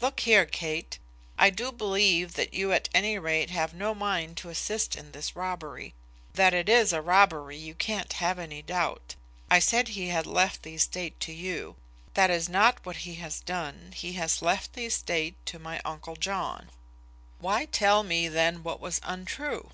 "Look here, Kate; I do believe that you at any rate have no mind to assist in this robbery. That it is a robbery you can't have any doubt. I said he had left the estate to you. That is not what he has done. He has left the estate to my uncle John." "Why tell me, then, what was untrue?"